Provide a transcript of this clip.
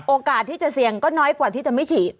โอกาสที่จะเสี่ยงก็น้อยกว่าที่จะไม่ฉีด